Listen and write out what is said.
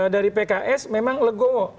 dari pks memang legowo